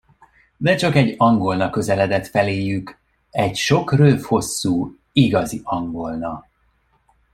De csak egy angolna közeledett feléjük, egy sok rőf hosszú, igazi angolna.